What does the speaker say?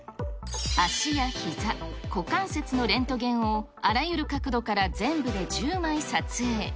足やひざ、股関節のレントゲンをあらゆる角度から全部で１０枚撮影。